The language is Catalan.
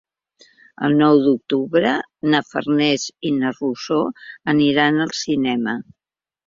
El nou d'octubre na Farners i na Rosó aniran al cinema.